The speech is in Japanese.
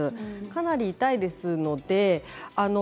かなり痛いですので。